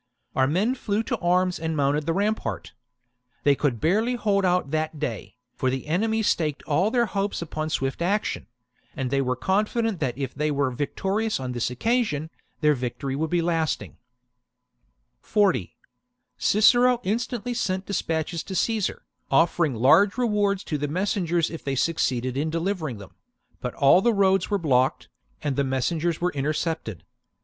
Our men flew to arms and mounted the rampart. They could barely hold out that day, for the enemy staked all their hopes upon swift action ; and they were confident that if they were victorious on this occasion, their victory would be lasting. ^/^'fe r A^ ■ V OUINTUS CICERO AT BAY 155 40. Cicero instantly sent dispatches to Caesar, 54 b.c. offering large rewards to the messengers if they The defence, succeeded in delivering them ; but all the roads were blocked, and the messengers were inter cepted.